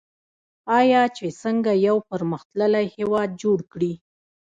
آیا چې څنګه یو پرمختللی هیواد جوړ کړي؟